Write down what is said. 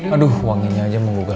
aduh wanginya aja menggugah